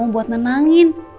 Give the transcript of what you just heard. kamu buat nenangin